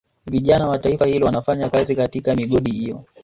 Vijana wa taifa hilo wanafanya kazi katika migodi hiyo